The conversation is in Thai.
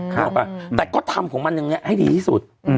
แต่ก็ทำของมันอย่างเนี้ยให้ดีที่สุด